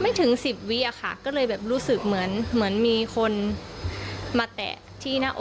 ไม่ถึงสิบวิอะค่ะก็เลยแบบรู้สึกเหมือนเหมือนมีคนมาแตะที่หน้าอก